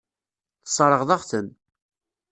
Tesseṛɣeḍ-aɣ-ten.